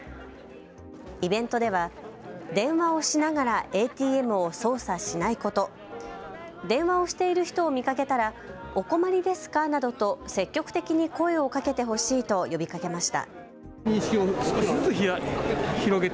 イベントでは、電話をしながらＡＴＭを操作しないこと、電話をしている人を見かけたらお困りですかなどと積極的に声をかけてほしいと呼びかけました。